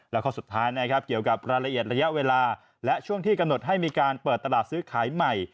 ๓ระละเอียดระยะเวลาและช่วงที่กำหนดให้มีการเปิดตลาดซื้อขายใหม่